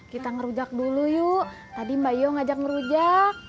kita ngerujak dulu yuk tadi mbak yo ngajak ngerujak